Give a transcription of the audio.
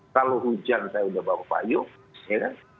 kalau hujan saya udah bawa payung